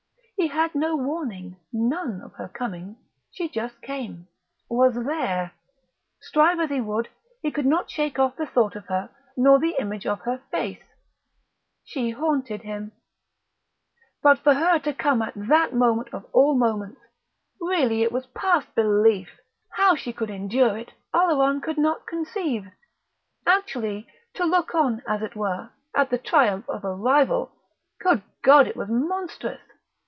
He had no warning, none, of her coming; she just came was there. Strive as he would, he could not shake off the thought of her nor the image of her face. She haunted him. But for her to come at that moment of all moments!... Really, it was past belief! How she could endure it, Oleron could not conceive! Actually, to look on, as it were, at the triumph of a Rival.... Good God! It was monstrous!